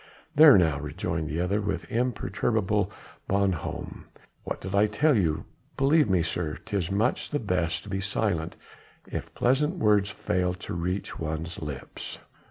"There now," rejoined the other with imperturbable bonhomie, "what did I tell you? Believe me, sir, 'tis much the best to be silent if pleasant words fail to reach one's lips."